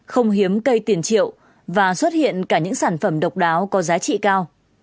không hiếm cây tiền triệu và xuất hiện cả những sản phẩm độc đáo có giá trị cao